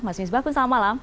mas misbakun selamat malam